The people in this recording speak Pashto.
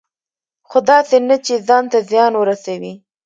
خو داسې نه چې ځان ته زیان ورسوي.